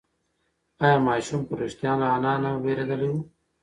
ایا ماشوم په رښتیا هم له انا نه وېرېدلی و؟